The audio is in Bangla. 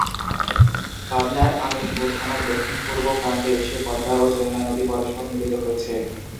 পাবনার আমিনপুর থানার দক্ষিণ-পূর্ব প্রান্তে এসে পদ্মা ও যমুনা নদী পরস্পর মিলিত হয়েছে।